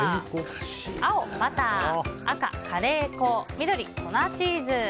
青、バター赤、カレー粉緑、粉チーズ。